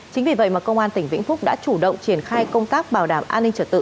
chính vì vậy mà công an tỉnh vĩnh phúc đã chủ động triển khai công tác bảo đảm an ninh trật tự